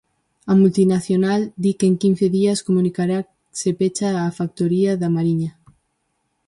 A multinacional di que en quince días comunicará se pecha a factoría da Mariña.